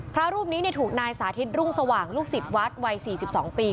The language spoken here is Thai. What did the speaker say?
พระรูปนี้เนี่ยถูกนายสาธิตรุ่งสว่างลูกศิษย์วัดวัยสี่สิบสองปี